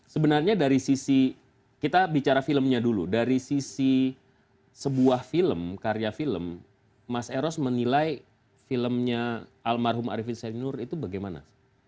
sebenarnya dari sisi kita bicara filmnya dulu dari sisi sebuah film karya film mas eros menilai filmnya almarhum arifin syainur itu bagaimana